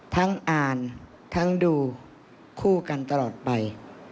ทั้งอ่านทั้งดูคู่กันตลอดไป